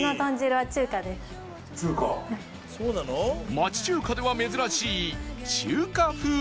町中華では珍しい中華風豚汁